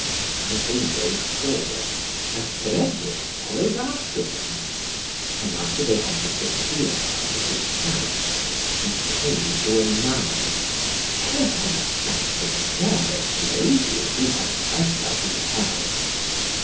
And they rode forward, and Peredur followed after them; and after they had disappeared out of his sight, he came to a mound, whereon sat the fairest lady he had ever beheld.